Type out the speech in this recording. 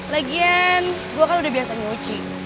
lagian gue kan udah biasa nyuci